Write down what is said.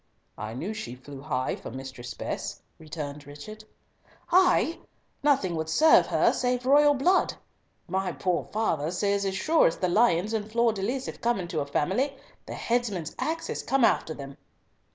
"I knew she flew high for Mistress Bess," returned Richard. "High! nothing would serve her save royal blood! My poor father says as sure as the lions and fleur de lis have come into a family, the headsman's axe has come after them."